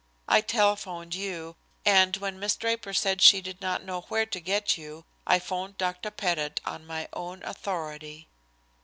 I telephoned you, and when Miss Draper said she did not know where to get you, I 'phoned to Dr. Pettit on my own authority."